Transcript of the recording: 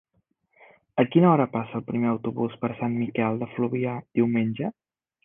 A quina hora passa el primer autobús per Sant Miquel de Fluvià diumenge?